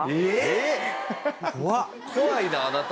怖いなあなた。